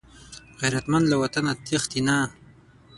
غیرتمند له وطنه تښتي نه